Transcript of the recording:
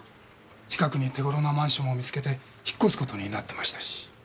近くに手ごろなマンションを見つけて引っ越す事になってましたし。